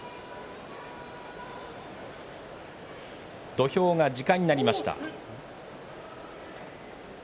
土俵が時間になりました。